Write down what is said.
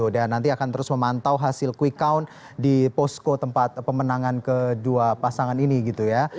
dan nanti akan terus memantau hasil quick count di posko tempat pemenangan kedua pasangan ini gitu ya